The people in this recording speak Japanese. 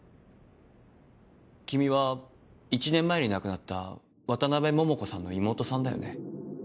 君は１年前に亡くなった渡辺桃子さんの妹さんだよね。